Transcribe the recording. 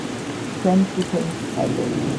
თქვენ თვითონ სცადეთ.